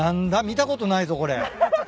見たことないぞこれ。